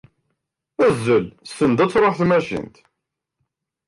Azzel send ad truḥ tmacint